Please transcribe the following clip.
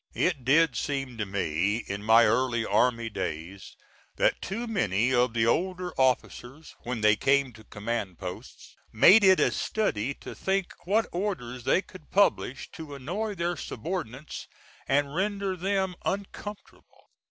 It did seem to me, in my early army days, that too many of the older officers, when they came to command posts, made it a study to think what orders they could publish to annoy their subordinates and render them uncomfortable.